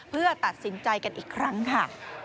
เพื่อตัดสินใจกันอีกครั้งค่ะ